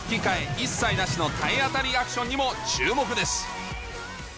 一切なしの体当たりアクションにも注目です